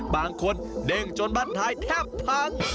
บางคนเด้งจนบ้านท้ายแทบพัง